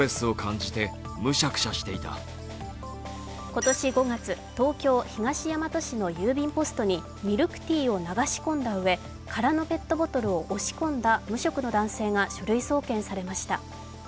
今年５月、東京・東大和市の郵便ポストにミルクティーを流し込んだうえ空のペットボトルを押し込んだ無職の男性が書類送検されました。